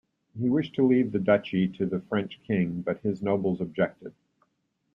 He wished to leave the Duchy to the French king, but his nobles objected.